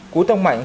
cú tông mạnh